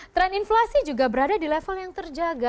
tren inflasi juga berada di level yang terjaga